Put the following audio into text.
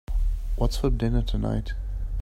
What's for dinner tonight?